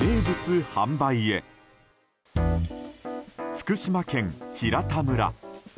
福島県平田村。